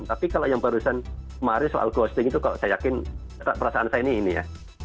tapi kalau yang barusan kemarin soal ghosting itu kalau saya yakin perasaan saya ini ini ya